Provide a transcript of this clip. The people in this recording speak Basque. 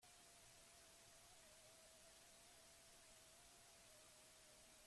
Haustura uneek horretarako prest egotea eskatzen dute.